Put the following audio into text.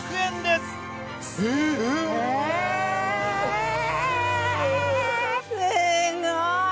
すごい。